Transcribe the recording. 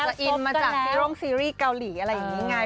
อินมาจากซีโร่งซีรีส์เกาหลีอะไรอย่างนี้ไง